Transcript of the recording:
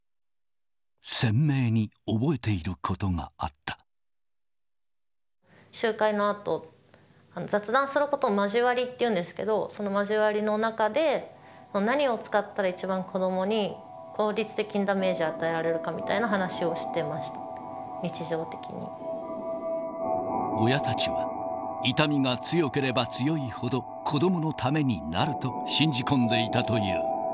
鮮明に覚えていることがあっ集会のあと、雑談することを交わりっていうんですけど、その交わりの中で、何を使ったら、一番子どもに、効率的にダメージを与えられるかみたいな話をしてました、日常的親たちは、痛みが強ければ強いほど子どものためになると信じ込んでいたという。